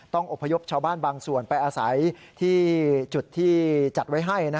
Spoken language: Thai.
อบพยพชาวบ้านบางส่วนไปอาศัยที่จุดที่จัดไว้ให้